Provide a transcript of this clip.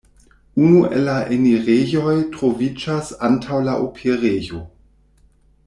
Unu el la enirejoj troviĝas antaŭ la operejo.